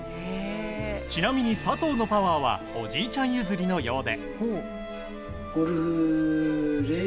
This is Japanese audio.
ちなみに、佐藤のパワーはおじいちゃん譲りのようで。